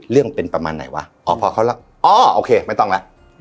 เรื่องเป็นประมาณไหนวะอ๋อพอเขาแล้วอ๋อโอเคไม่ต้องแล้ว